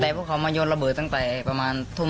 แต่พวกเรามาโยนระเบิดตั้งแต่ธุ่ม๑๒๒บาทแล้วครับ